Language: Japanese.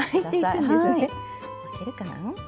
巻けるかな？